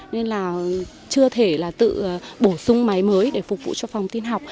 nên là chưa thể là tự bổ sung máy mới để phục vụ cho phòng tin học